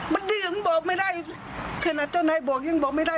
วันนี้ยังบอกไม่ได้ขนาดเจ้านายบอกยังบอกไม่ได้